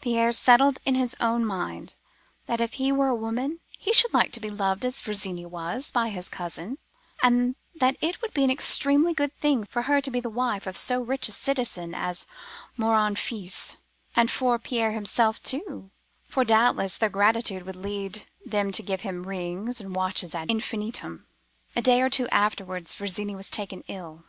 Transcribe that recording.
Pierre settled in his own mind, that if he were a woman, he should like to be beloved as Virginie was, by his cousin, and that it would be an extremely good thing for her to be the wife of so rich a citizen as Morin Fils,—and for Pierre himself, too, for doubtless their gratitude would lead them to give him rings and watches ad infinitum. "A day or two afterwards, Virginie was taken ill.